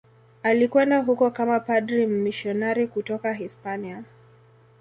Alikwenda huko kama padri mmisionari kutoka Hispania.